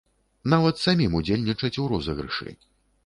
Нават самім удзельнічаць у розыгрышы.